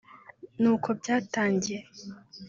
ni uko byatangiye”